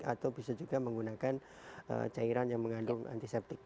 atau bisa juga menggunakan cairan yang mengandung antiseptik